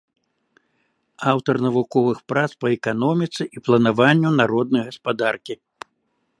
Аўтар навуковых прац па эканоміцы і планаванню народнай гаспадаркі.